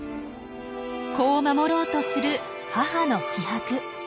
子を守ろうとする母の気迫。